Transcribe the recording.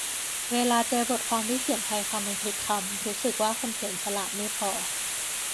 เวลาเจอบทความที่เขียนไทยคำอังกฤษคำ รู้สึกว่าคนเขียนฉลาดไม่พอ